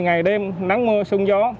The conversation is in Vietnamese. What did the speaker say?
ngày đêm nắng mưa xuân gió